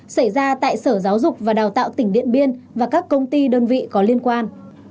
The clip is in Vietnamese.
xảy ra tại sở giáo dục và đào tạo tỉnh điện biên và các công ty đơn vị có liên quan